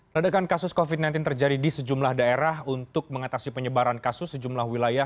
ledakan kasus covid sembilan belas terjadi di sejumlah daerah untuk mengatasi penyebaran kasus sejumlah wilayah